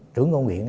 trưởng ngôn viện